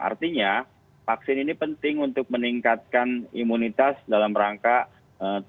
artinya vaksin ini penting untuk meningkatkan imunitas dalam rangkaian